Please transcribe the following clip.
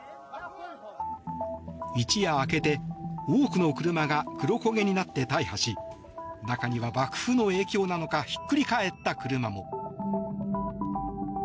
一夜明けて多くの車が黒焦げになって大破し中には爆風の影響なのかひっくり返った車も。